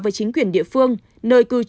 với chính quyền địa phương nơi cư dịch